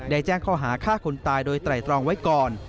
แจ้งข้อหาฆ่าคนตายโดยไตรตรองไว้ก่อน